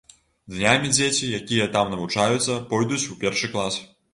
Днямі дзеці, якія там навучаюцца, пойдуць у першы клас.